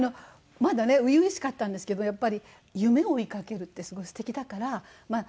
まだね初々しかったんですけどやっぱり夢を追い掛けるってすごいすてきだから。